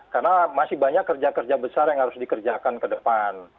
karena masih banyak kerja kerja besar yang harus dikerjakan ke depan